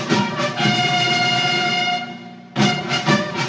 kepada inspektur upacara